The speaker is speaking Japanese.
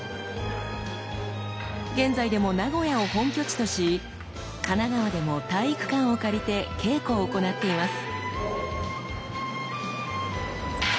現在でも名古屋を本拠地とし神奈川でも体育館を借りて稽古を行っています。